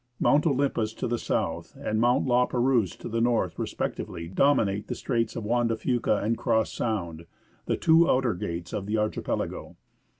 Mount Olympus to the south and Mount La Perouse to the north respec tively dominate the Straits of Juan de F"uca and Cross Sound, the two outer gates of the archipelago.